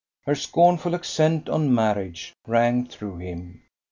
Her scornful accent on "Marriage" rang through him.